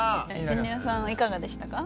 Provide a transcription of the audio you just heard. ジュニアさんはいかがでしたか？